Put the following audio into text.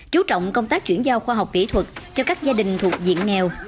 chú trọng công tác chuyển giao khoa học kỹ thuật cho các gia đình thuộc diện nghèo